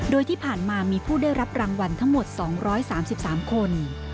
โดยที่ผ่านมามีผู้ได้รับรางวัลทั้งหมด๒๓๓คน